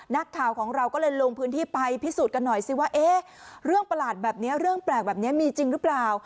นักข่าวของเราก็เลยลงพื้นที่ไปพิสูจน์กันหน่อยสิว่าเอ๊ะเรื่องประหลาดแบบนี้เรื่องแปลกแบบนี้มีจริงหรือเปล่า